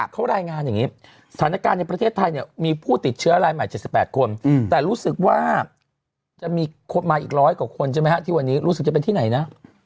เขารายงานอย่างนี้สถานการณ์ในประเทศไทยเนี่ยมีผู้ติดเชื้อรายใหม่๗๘คนแต่รู้สึกว่าจะมีคนมาอีกร้อยกว่าคนใช่ไหมฮะที่วันนี้รู้สึกจะเป็นที่ไหนนะ